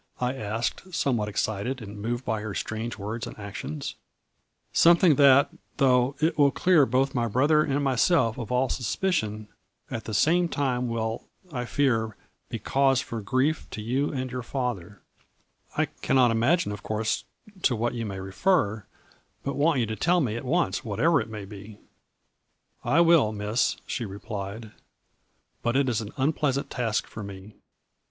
I asked, some what excited and moved by her strange words and actions. ' Something that, though it will clear both my brother and myself of all suspi cion, at the same time will, I fear, be cause for grief to you and your father/ "' I cannot imagine of course to what you may refer, but want you to tell me at once, whatever it may be/ "' I will, Miss/ she replied, ' but it is an un pleasant task for me.